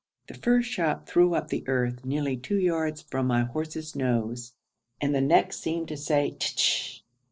The first shot threw up the earth nearly two yards from my horse's nose, and the next seemed to say 'tshish!'